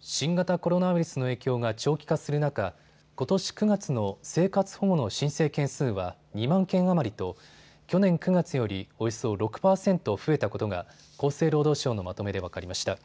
新型コロナウイルスの影響が長期化する中、ことし９月の生活保護の申請件数は２万件余りと去年９月よりおよそ６％増えたことが厚生労働省のまとめで分かりました。